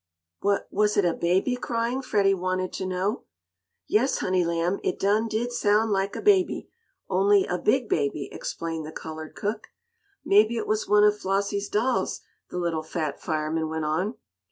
"Was was it a baby crying?" Freddie wanted to know. "Yes, honey lamb it done did sound laik a baby only a big baby," explained the colored cook. "Maybe it was one of Flossie's dolls," the little "fat fireman" went on.